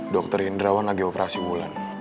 dokter indrawan lagi operasi wulan